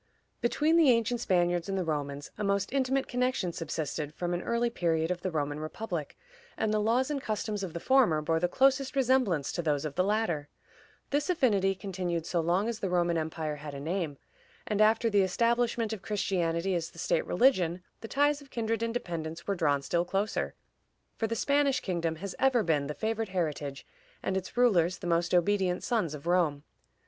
Between the ancient Spaniards and the Romans a most intimate connection subsisted from an early period of the Roman republic, and the laws and customs of the former bore the closest resemblance to those of the latter. This affinity continued so long as the Roman empire had a name, and after the establishment of Christianity as the state religion, the ties of kindred and dependence were drawn still closer, for the Spanish kingdom has ever been the favored heritage, and its rulers the most obedient sons of Rome.